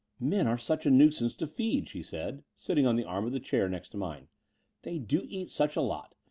"Men are such a nuisance to feed," she said, sitting on the arm of the chair next to mine; "they do eat such a lot.